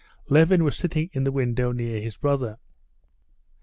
Levin was sitting in the window near his brother.